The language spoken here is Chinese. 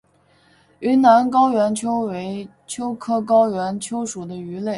云南高原鳅为鳅科高原鳅属的鱼类。